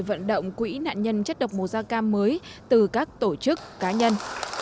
các nạn nhân chất độc màu da cam mới từ các tổ chức cá nhân